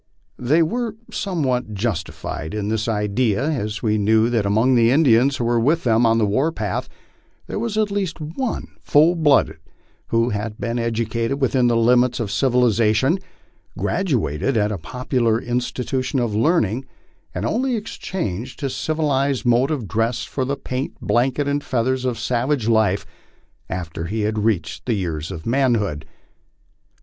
They were somewhat justified in this idea, as we knew that among the Indians who were then on the war path there was at least one full blood who had been educated within the limits of civilization, graduated at a popular institution of learning, and only exchanged his civilized mode of dross for the paint, blanket, and feathers of savage life after he had reached the years of manhood.